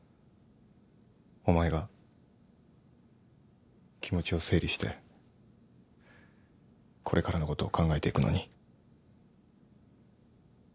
お前が気持ちを整理してこれからのことを考えていくのに。